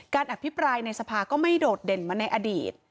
อภิปรายในสภาก็ไม่โดดเด่นมาในอดีต